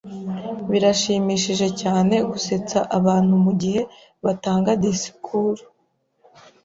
Birashimishije cyane gusetsa abantu mugihe batanga disikuru.